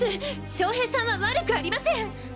将平さんは悪くありません！！